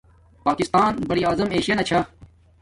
پاکستان براٰعظم ایشایانا چھا